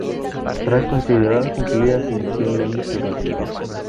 Tras considerar cumplida su misión Lemus se retiró.